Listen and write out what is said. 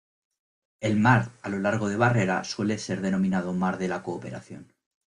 El mar a lo largo de barrera suele ser denominado mar de la Cooperación.